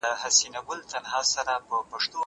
زه پرون د لوبو لپاره وخت نيولی؟